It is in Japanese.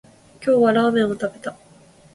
今日はラーメンを食べた